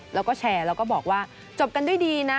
แล้วก็แชร์แล้วก็บอกว่าจบกันด้วยดีนะ